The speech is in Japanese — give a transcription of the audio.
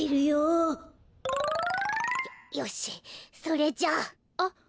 よよしそれじゃあ。